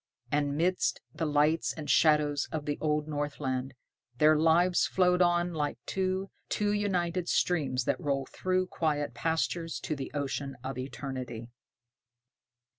And midst the lights and shadows of the old Northland, their lives flowed on like to two united streams that roll through quiet pastures to the ocean of eternity.